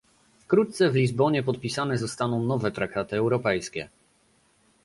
wkrótce w Lizbonie podpisane zostaną nowe traktaty europejskie